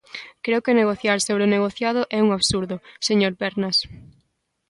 Creo que negociar sobre o negociado é un absurdo, señor Pernas.